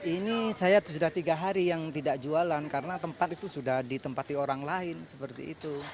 ini saya sudah tiga hari yang tidak jualan karena tempat itu sudah ditempati orang lain seperti itu